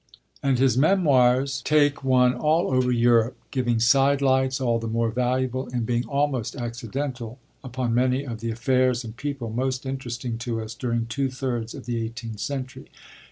And his Memoirs take one all over Europe, giving sidelights, all the more valuable in being almost accidental, upon many of the affairs and people most interesting to us during two thirds of the eighteenth century.